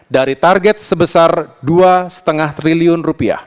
dari target sebesar rp dua lima triliun